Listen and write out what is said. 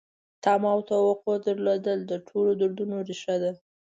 تمه او توقع درلودل د ټولو دردونو ریښه ده.